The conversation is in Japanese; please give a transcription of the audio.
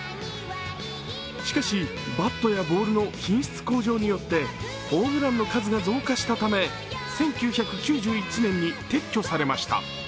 しかし、バットやボールの品質向上によってホームランの数が増加したため、１９９１年に撤去されました。